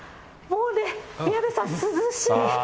もうね、宮根さん、涼しい。